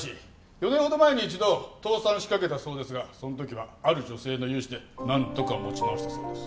４年ほど前に一度倒産しかけたそうですがその時はある女性の融資でなんとか持ち直したそうです。